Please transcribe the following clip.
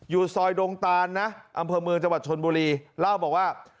ซอยดงตานนะอำเภอเมืองจังหวัดชนบุรีเล่าบอกว่า